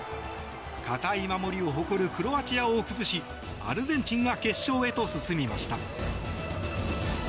堅い守りを誇るクロアチアを崩しアルゼンチンが決勝へと進みました。